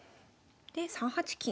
で３八金。